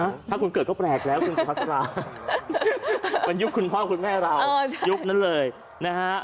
ถ้าคุณเกิดก็แปลกแล้วคุณสุภาษาเหมือนยุคคุณพ่อคุณแม่เรายุคนั้นเลยนะฮะ